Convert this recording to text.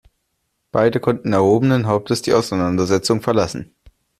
Beide konnten erhobenen Hauptes die Auseinandersetzung verlassen.